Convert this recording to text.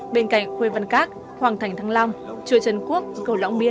bên cạnh khuê văn các hoàng thành thăng long chùa trần quốc cầu lõng biên